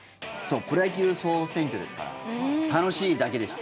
「プロ野球総選挙」ですから楽しいだけでした。